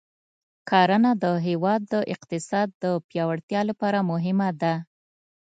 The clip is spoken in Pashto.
کرنه د هېواد د اقتصاد د پیاوړتیا لپاره مهمه ده.